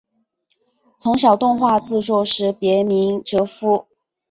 从事动画制作时别名哲夫。